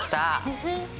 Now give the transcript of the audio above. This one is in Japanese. フフッ。